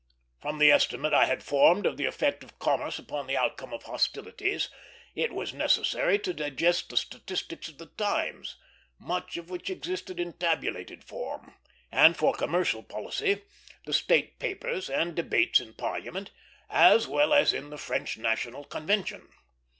From the estimate I had formed of the effect of commerce upon the outcome of the hostilities, it was necessary to digest the statistics of the times, much of which existed in tabulated form; and, for commercial policy, the State Papers, and debates in Parliament, as well as in the French National Convention.